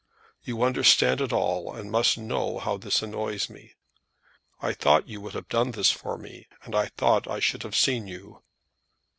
You understand it all, and must know how this annoys me. I thought you would have done this for me, and I thought I should have seen you.